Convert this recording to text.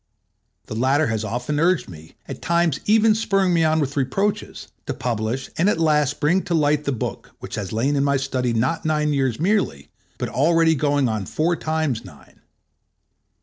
The latter has often urged me, at times even spurring me on with reproaches, to publish and at last bring to the light the book which had lain in my study not nine years merely, but already going on four times nine.